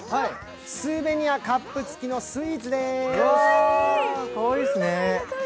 スーベニアカップ付きのスイーツです。